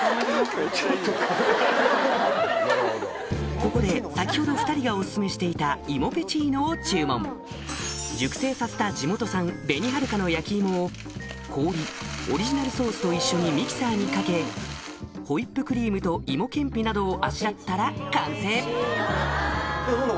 ここで先ほど２人がオススメしていた芋ぺちーのを注文を氷オリジナルソースと一緒にミキサーにかけホイップクリームと芋けんぴなどをあしらったら完成！